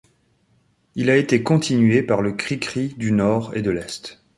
Il a été continué par Le Cri-cri du Nord et de l'Est.